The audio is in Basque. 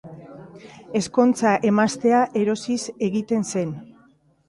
Ezkontza emaztea erosiz egiten zen.